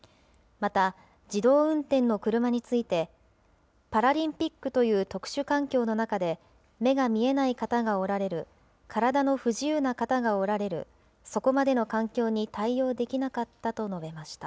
また、自動運転の車について、パラリンピックという特殊環境の中で、目が見えない方がおられる、体の不自由な方がおられる、そこまでの環境に対応できなかったと述べました。